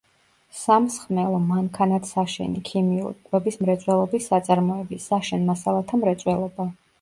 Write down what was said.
სამსხმელო, მანქანათსაშენი, ქიმიური, კვების მრეწველობის საწარმოები, საშენ მასალათა მრეწველობა.